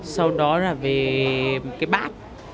sau đó là về cái bát